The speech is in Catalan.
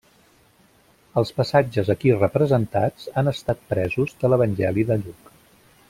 Els passatges aquí representats han estat presos de l'Evangeli de Lluc.